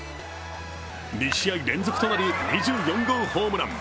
２試合連続となる２４号ホームラン。